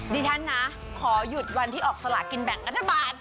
ดิฉันนะขอหยุดวันที่ออกสลากินแบ่งรัฐบาล